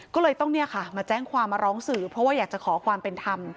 ก็เลยต้องเนี่ยค่ะมาแจ้งความมาร้องสื่อเพราะว่าอยากจะขอความเป็นธรรม